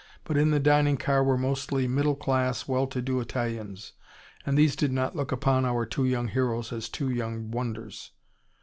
But in the dining car were mostly middle class, well to do Italians. And these did not look upon our two young heroes as two young wonders.